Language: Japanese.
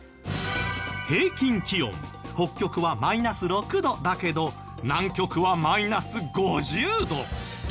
平均気温北極はマイナス６度だけど南極はマイナス５０度！